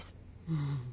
うん。